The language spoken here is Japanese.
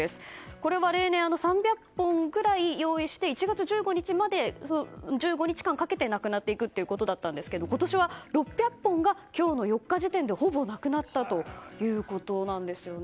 これは例年、３００本ぐらい用意して１月１５日まで、１５日間かけてなくなっていくということだったんですけど今年は６００本が今日の４日時点でほぼなくなったということです。